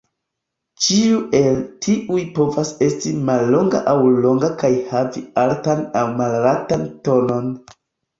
Ĉiu el tiuj povas esti mallonga aŭ longa kaj havi altan aŭ malaltan tonon.